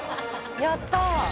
やったー。